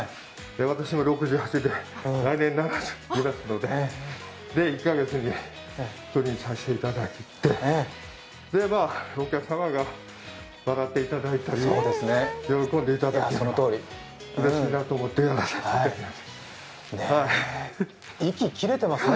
私も６８で、来年７０になりますので、１カ月に１人にさせていただいて、お客様が笑っていただいたり喜んでいただいたりするとうれしいなと思ってやらせていただいてます。